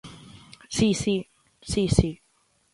Si, si; si, si.